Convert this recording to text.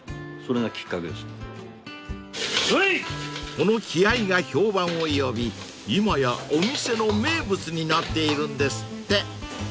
［この気合が評判を呼び今やお店の名物になっているんですって］